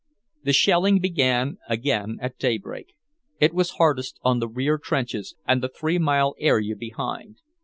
The shelling began again at daybreak; it was hardest on the rear trenches and the three mile area behind.